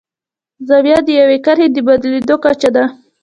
زاویه د یوې کرښې د بدلیدو کچه ده.